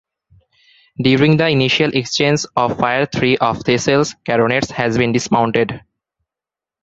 During the initial exchange of fire three of "Thistle"s carronades had been dismounted.